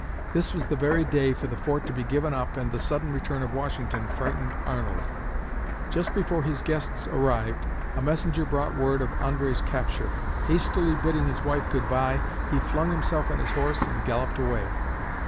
This was the very day for the fort to be given up and the sudden return of Washington frightened Arnold. Just before his guests arrived, a messenger brought word of André's capture. Hastily bidding his wife good by, he flung himself on his horse and galloped away.